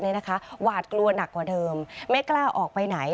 หวาดกลัวหนักกว่าเดิมไม่กล้าออกไปไหน